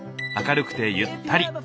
明るくてゆったり。